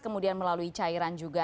kemudian melalui cairan juga